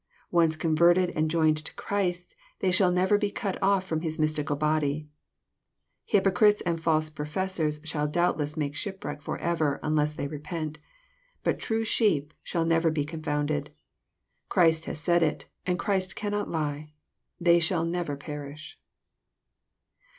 Once converted and joined to Christ, they shall never be cut off from His mystical body. Hypo crites and false professors shall doubtless make shipwreck forever, unless they repent. But true " sheep " shall never be confounded. Christ has said it, and Christ cannot lie :" they shall never perish."